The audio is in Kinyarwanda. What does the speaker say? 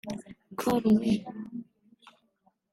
call me